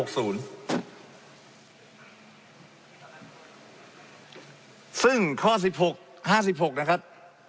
ซึ่งข้อ๑๖๕๖นะครับ